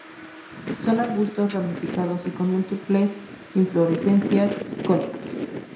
Son arbustos ramificados y con múltiples inflorescencias cónicas.